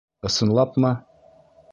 Ысынлапмы?!